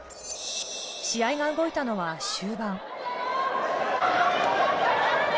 試合が動いたのは終盤。